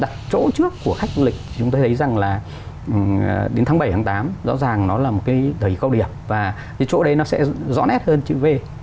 thì chỗ đấy nó sẽ rõ nét hơn chữ v